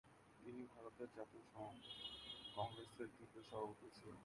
তিনি ভারতের জাতীয় কংগ্রেসের তৃতীয় সভাপতি ছিলেন।